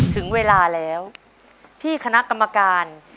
ถึงเวลาแล้วที่คณะกรรมการ